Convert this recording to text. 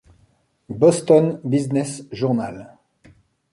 Boston Business Journal.